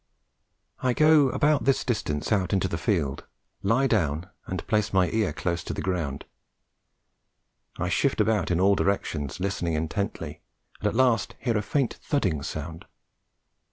I go about this distance out into the field, lie down and place my ear close to the ground. I shift about in all directions listening intently, and at last hear a faint thudding sound.